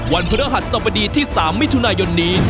วันเผื้อหัดสวดีที่๓มิถุนายนนี้